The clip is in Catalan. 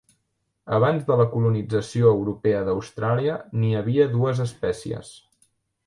Abans de la colonització europea d'Austràlia n'hi havia dues espècies.